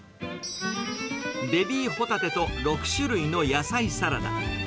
ベビーホタテと６種類の野菜サラダ。